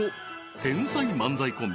天才漫才コンビ